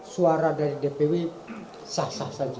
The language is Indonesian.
suara dari dpw sah sah saja